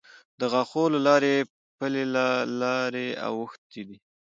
د غاښو له لارې پلې لارې اوښتې دي.